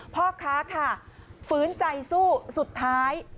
พ่อค้าค่ะฝืนใจสู้สุดท้าย